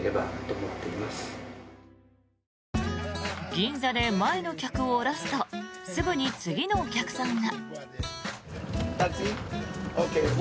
銀座で前の客を降ろすとすぐに次のお客さんが。